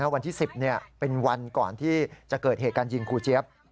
วันที่๑๐เป็นวันก่อนที่จะเกิดเหตุการณ์ยิงครูเจี๊ยบ